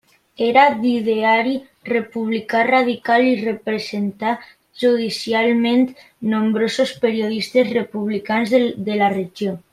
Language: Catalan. Era d'ideari republicà radical i representà judicialment nombrosos periodistes republicans de la regió.